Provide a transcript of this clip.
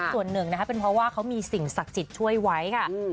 ส่วนหนึ่งนะคะเป็นเพราะว่าเขามีสิ่งศักดิ์สิทธิ์ช่วยไว้ค่ะ